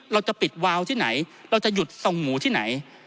เราจะปิดวาวที่ไหนเราจะหยุดส่งหมูที่ไหน